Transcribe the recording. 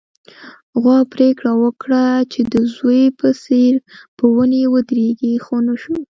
غوا پرېکړه وکړه چې د وزې په څېر په ونې ودرېږي، خو ونه شول